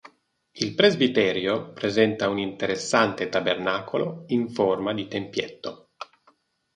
Il presbiterio presenta un interessante tabernacolo in forma di tempietto.